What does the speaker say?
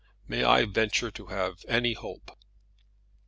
May I venture to have any hope?"